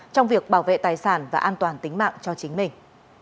trong việc bảo vệ tài sản và an toàn tính mạng cho chính mình